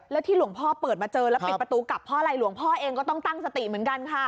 แล้วที่หลวงพ่อเปิดมาเจอแล้วปิดประตูกลับเพราะอะไรหลวงพ่อเองก็ต้องตั้งสติเหมือนกันค่ะ